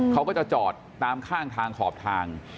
เขาก็จะจอดตามข้างทางขอบทาง